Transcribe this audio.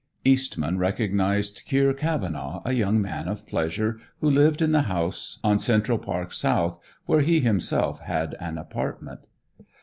Eastman recognized Kier Cavenaugh, a young man of pleasure, who lived in the house on Central Park South, where he himself had an apartment.